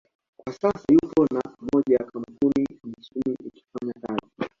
kwa sasa yupo na moja ya kampuni nchini akifanya kazi